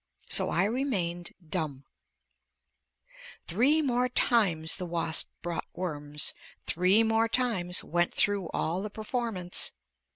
So I remained dumb. Three more times the wasp brought worms. Three more times went through all the performance.